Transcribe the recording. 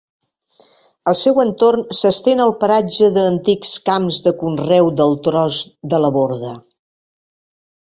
Al seu entorn s'estén el paratge d'antics camps de conreu del Tros de la Borda.